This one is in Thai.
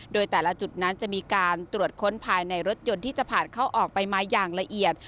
โดยแต่ละจุดนั้นจะมีการตรวจค้นภายในรถยนต์ที่จะผ่านเข้าออกไปมาอย่างละเอียด